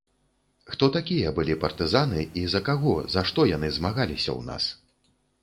Хто такія былі партызаны і за каго, за што яны змагаліся ў нас?